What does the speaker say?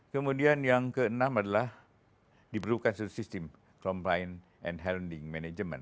kemudian yang keenam adalah diperlukan sistem